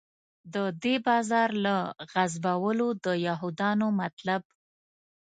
د دې بازار له غصبولو د یهودانو مطلب.